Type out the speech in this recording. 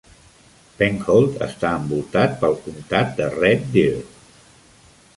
Penhold està envoltat pel comtat de Red Deer.